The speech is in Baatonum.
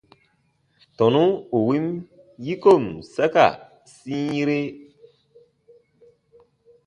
Tɔnu ù win yikon saka sĩire.